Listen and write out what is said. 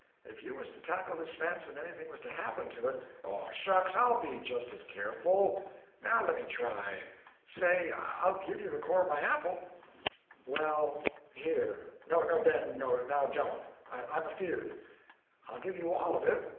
If you was to tackle this fence and anything was to happen to it—" "Oh, shucks, I'll be just as careful. Now lemme try. Say—I'll give you the core of my apple." "Well, here—No, Ben, now don't. I'm afeard—" "I'll give you all of it!"